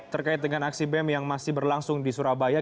terkait dengan aksi bem yang masih berlangsung di surabaya